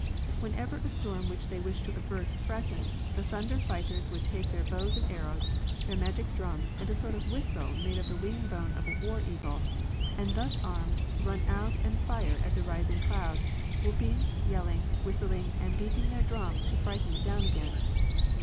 Whenever a storm which they wished to avert threatened, the thunder fighters would take their bows and arrows, their magic drum, and a sort of whistle made of the wing bone of a war eagle, and, thus armed, run out and fire at the rising cloud, whooping, yelling, whistling and beating their drum to frighten it down again.